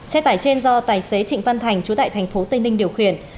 xe tải trên do tài xế trịnh văn thành chủ đại thành phố tây ninh điều khiển